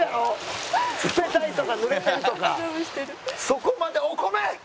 そこまでお米！